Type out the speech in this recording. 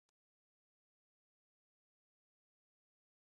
Ntushobora gufasha Mandera ejo kuko ugomba gukora umunsi wose.